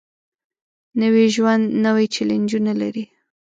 نوی ژوند نوې چیلنجونه لري